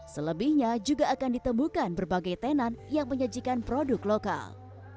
selebihnya juga akan ditemukan berbagai tenan yang menyajikan produk lokal